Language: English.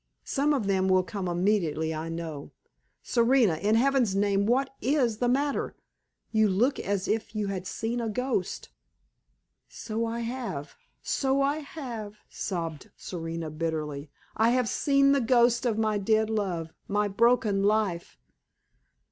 Some of them will come immediately, I know. Serena, in Heaven's name, what is the matter? You look as if you had seen a ghost!" "So I have so I have!" sobbed Serena, bitterly. "I have seen the ghost of my dead love my broken life!